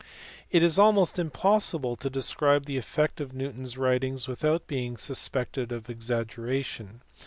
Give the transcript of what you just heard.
It is almost impossible to describe the effect of Newton s writings without being suspected of exaggeration.